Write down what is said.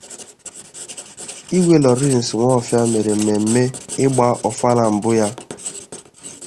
Igwe Lawrence Nwofia mere mmemme ịgba Ọvala mbụ ya